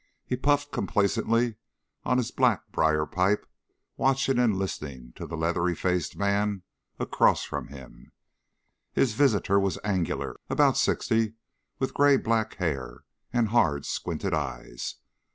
He puffed complacently on his black briar pipe watching and listening to the leathery faced man across from him. His visitor was angular, about sixty, with gray black hair and hard squinted eyes.